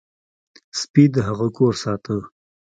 سپي د هغه کور ساته.